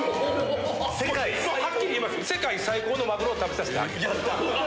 はっきり言いますけど世界最高のマグロを食べさせてあげる。